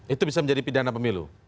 itu bisa menjadi pidana pemilu